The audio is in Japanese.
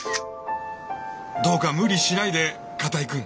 「どうか無理しないで片居くん」